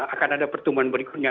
akan ada pertemuan berikutnya